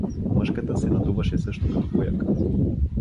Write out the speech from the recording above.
Мъжката се надуваше също като пуяк.